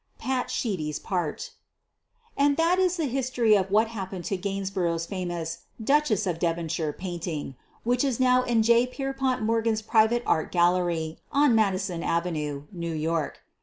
PAT SHEEDY *S PABT And that is the history of what happened to Gainsborough's famous "Duchess of Devonshire' * painting, which is now in J. Pierpont Morgan's pri vate art gallery on Madison Avenue, New York.